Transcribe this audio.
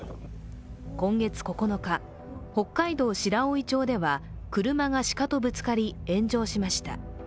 今月９日、北海道白老町では車が鹿とぶつかり炎上しました。